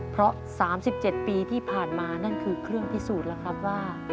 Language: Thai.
เพราะ๓๗ปีที่ผ่านมานั่นคือเครื่องพิสูจน์แล้วครับว่า